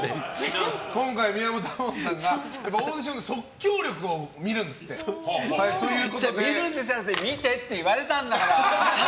今回、宮本亞門さんがオーディションで見るんですじゃなくて見てって言われたんだから！